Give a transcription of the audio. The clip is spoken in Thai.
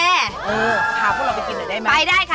พาพวกเราไปกินหน่อยได้ไหมไปได้ค่ะ